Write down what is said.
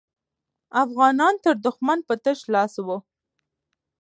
افغانان تر دښمن په تش لاس وو.